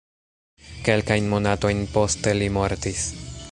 Kelkajn monatojn poste li mortis.